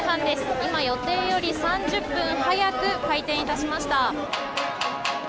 今、予定より３０分早く開店いたしました。